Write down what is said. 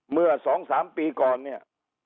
เมื่อ๒๓ปีก่อนเนี่ย